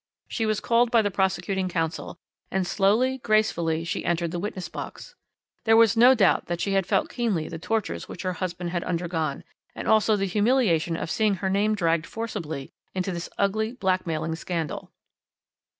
She was called by the prosecuting counsel, and slowly, gracefully, she entered the witness box. There was no doubt that she had felt keenly the tortures which her husband had undergone, and also the humiliation of seeing her name dragged forcibly into this ugly, blackmailing scandal.